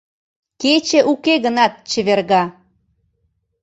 Кече уке гынат, чеверга.